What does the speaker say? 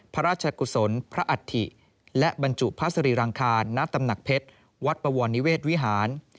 พระราชกุศลพระอัฐิและบรรจุพระสรีรังคารณตำหนักเพชรวัดปวรนิเวศวิหาร